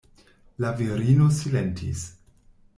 La virino silentis.